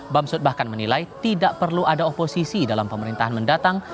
bamsud bahkan menilai tidak perlu ada oposisi dalam pemerintahan mendatang